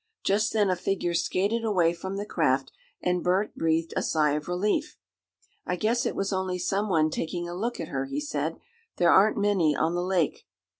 Just then a figure skated away from the craft, and Bert breathed a sigh of relief. "I guess it was only someone taking a look at her," he said "There aren't many on the lake."